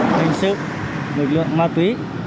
hình sự lực lượng ma túy